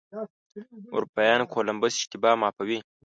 اروپایان د کولمبس اشتباه معافوي.